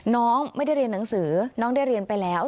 น้องไม่ได้เรียนหนังสือน้องได้เรียนไปแล้ว